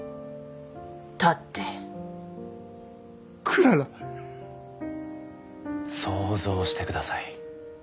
立ってクララ想像してください